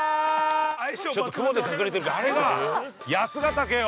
ちょっと雲で隠れてるけどあれが八ヶ岳よ！